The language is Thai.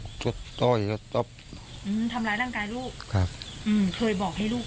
คือเผยบอกให้ลูกเลิกไหม